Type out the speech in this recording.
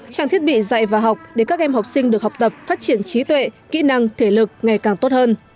trang thiết bị dạy và học để các em học sinh được học tập phát triển trí tuệ kỹ năng thể lực ngày càng tốt hơn